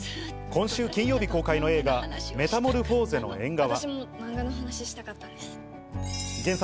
今週金曜日公開の映画『メタモルフォーゼの縁側』。